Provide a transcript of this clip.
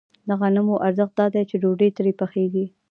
د غنمو ارزښت دا دی چې ډوډۍ ترې پخېږي